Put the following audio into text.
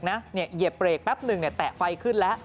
เหยียบเบรกแป๊บหนึ่งแตะไฟขึ้นแล้ว